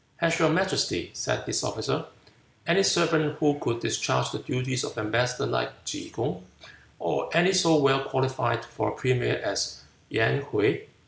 "Has your majesty," said this officer, "any servant who could discharge the duties of ambassador like Tsze kung? or any so well qualified for a premier as Yen Hwuy?